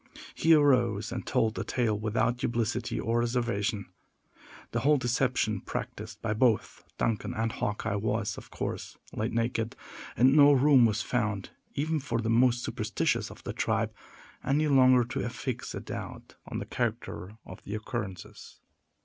He arose, and told his tale without duplicity or reservation. The whole deception practised by both Duncan and Hawkeye was, of course, laid naked, and no room was found, even for the most superstitious of the tribe, any longer to affix a doubt on the character of the occurrences.